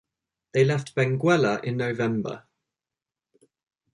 They left Benguela in November.